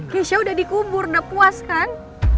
keisha udah dikubur udah puas kan